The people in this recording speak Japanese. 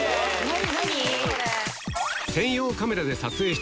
何？